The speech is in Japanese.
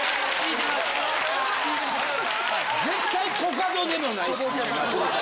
絶対コカドでもないし。